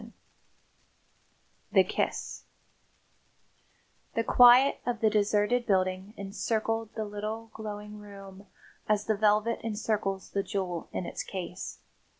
V THE KISS The quiet of the deserted building incircled the little, glowing room as the velvet incircles the jewel in its case.